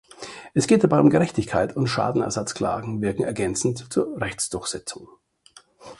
Es geht dabei um Gerechtigkeit, und Schadenersatzklagen wirken ergänzend zur Rechtsdurchsetzung.